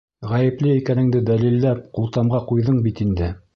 Ғәйепле икәнеңде дәлилләп ҡултамға ҡуйҙың бит инде.